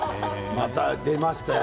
また出ましたよ。